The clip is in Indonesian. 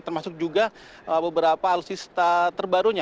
termasuk juga beberapa alutsista terbarunya